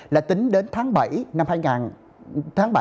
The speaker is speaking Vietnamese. là tính đến tháng bảy